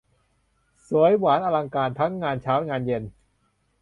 สวยหวานอลังการ ทั้งงานเช้างานเย็น